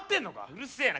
うるせえな。